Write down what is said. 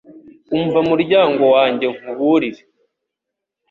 Umva muryango wanjye nkuburire